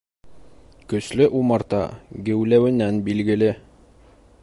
Көслө умарта геүләүенән билгеле.